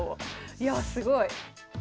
いやすごい。